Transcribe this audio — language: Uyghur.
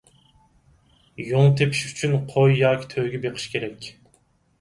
يۇڭ تېپىش ئۈچۈن قوي ياكى تۆگە بېقىش كېرەك.